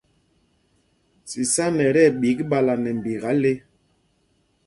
Sísána ɛ tí ɛɓik ɓala nɛ mbika le.